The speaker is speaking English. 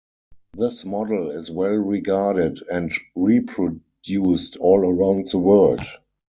This model is well regarded and reproduced all around the world.